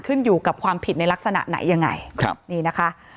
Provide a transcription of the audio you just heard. ขึ้นอยู่กับความผิดในลักษณะไหนยังไงครับนี่นะคะ